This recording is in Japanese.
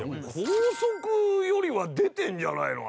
高速よりは出てるんじゃないの？